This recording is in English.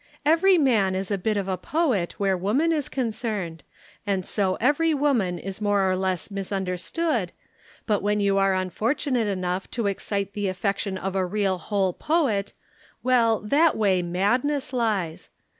Every man is a bit of a poet where woman is concerned, and so every woman is more or less misunderstood, but when you are unfortunate enough to excite the affection of a real whole poet well, that way madness lies.